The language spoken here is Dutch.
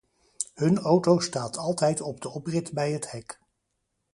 Hun auto staat altijd op de oprit bij het hek.